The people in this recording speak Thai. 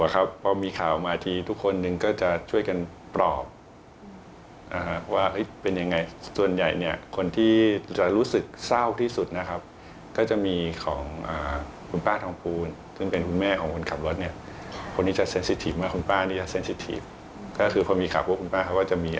เราต้องอยู่สู้ต่อเราต้องช่วยให้กันต่อไป